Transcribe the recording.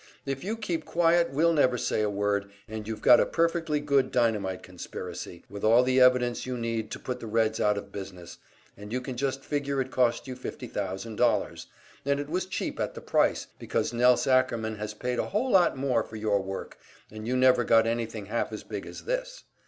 If you keep quiet we'll never say a word, and you've got a perfectly good dynamite conspiracy, with all the evidence you need to put the Reds out of business, and you can just figure it cost you fifty thousand dollars, and it was cheap at the price, because Nelse Ackerman has paid a whole lot more for your work, and you never got anything half as big as this.